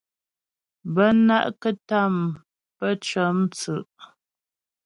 Bə́ ná'kətâm pə́ cə̌mstʉ̌'.